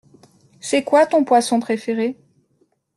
C'est quoi ton poisson préféré?